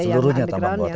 seluruhnya tambang buatan